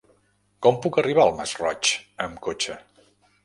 Com puc arribar al Masroig amb cotxe?